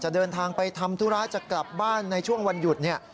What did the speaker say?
เดินทางไปทำธุระจะกลับบ้านในช่วงวันหยุดเนี่ย